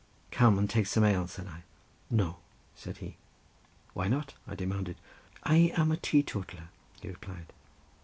"Come, and take some ale," said I. "No," said he. "Why not?" I demanded. "I am a teetotaller," he replied.